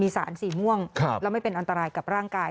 สารสีม่วงแล้วไม่เป็นอันตรายกับร่างกาย